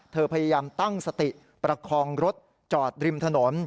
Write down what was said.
พยายามตั้งสติประคองรถจอดริมถนน